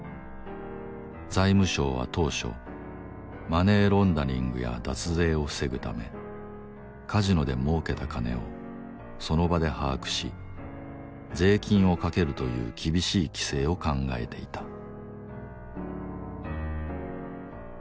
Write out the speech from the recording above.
財務省は当初マネーロンダリングや脱税を防ぐためカジノで儲けた金をその場で把握し税金をかけるという厳しい規制を考えていた。